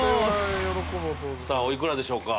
さあお幾らでしょうか？